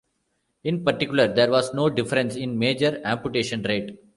In particular, there was no difference in major amputation rate.